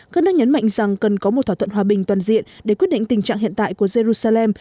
các nước nhấn mạnh rằng cần có một thỏa thuận hòa bình toàn diện để quyết định tình trạng hiện tại của jerusalem